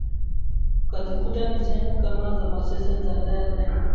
ukazikuta ni sehemu kama za masese zandale